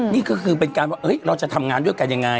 นี่ก็คือเป็นการว่าเราจะทำงานด้วยกันยังไง